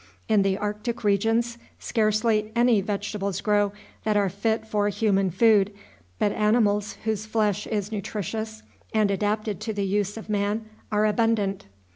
In the arctic regions scarcely any vegetables grow that are fit for human food, but animals whose flesh is nutritious and adapted to the use of man are abundant.